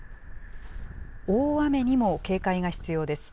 大雨にも警戒が必要です。